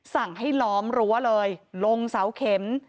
สั่งให้ล้อมรั้วเลยลงเสาเข็ม